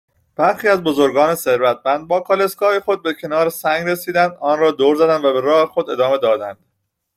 برخی از بزرگان ثروتمند با کالسکه های خود به کنار سنگ رسیدند ، ان را دور زدند و به راه خود ادامه دادند